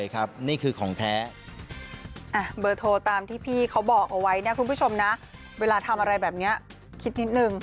คุณผู้ชมนะเวลาทำอะไรแบบนี้คิดนิดหนึ่ง